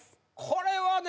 これはね